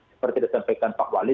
seperti disampaikan pak wali